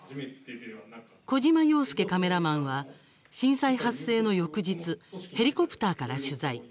小嶋陽輔カメラマンは震災発生の翌日ヘリコプターから取材。